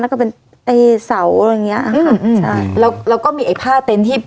แล้วก็เป็นไอ้เสาอะไรอย่างเงี้ยอืมใช่แล้วแล้วก็มีไอ้ผ้าเต็นต์ที่